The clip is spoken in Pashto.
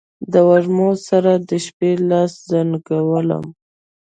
د وږمو سره، د شپې لاس زنګولم